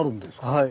はい。